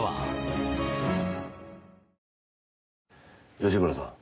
吉村さん。